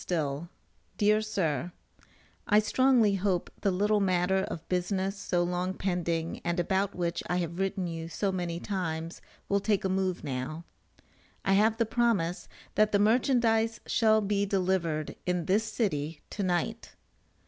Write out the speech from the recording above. STILL, DEAR SIR: I strongly hope the little matter of business so long pending and about which I have written you so many times, will take a move now. I have the promise that the merchandize shall be delivered in this city to night.